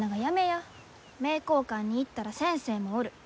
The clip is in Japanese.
名教館に行ったら先生もおる。